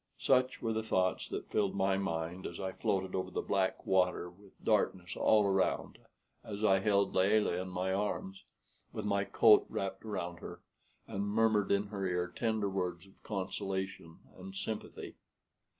Such were the thoughts that filled my mind as I floated over the black water with darkness all around, as I held Layelah in my arms, with my coat wrapped around her, and murmured in her ear tender words of consolation and sympathy.